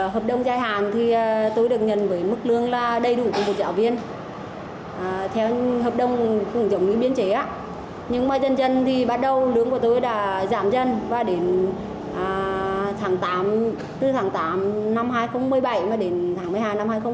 hợp đồng cũng giống như biến chế nhưng mà dần dần thì bắt đầu lương của tôi đã giảm dần và đến tháng tám năm hai nghìn một mươi bảy và đến tháng một mươi hai năm hai nghìn một mươi bảy